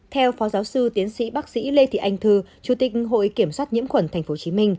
theo phó giáo sư tiến sĩ bác sĩ lê thị anh thư chủ tịch hội kiểm soát nhiễm khuẩn tp hcm